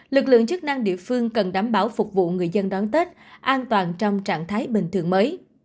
lực lượng chức năng địa phương cần đảm bảo phục vụ người dân đón tết an toàn trong trạng thái bình thường mới